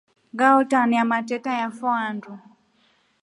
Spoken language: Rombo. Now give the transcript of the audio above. Ngahotania mateta yafo handu.